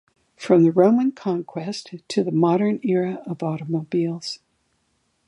From the Roman Conquest to the Modern Era of automobiles.